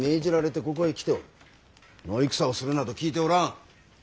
野戦をするなど聞いておらん！